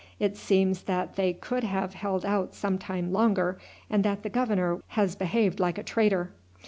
It seems that they could have held out some time longer, and that the governor has behaved like a traitor.